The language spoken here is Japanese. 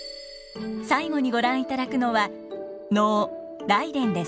最後にご覧いただくのは能「来殿」です。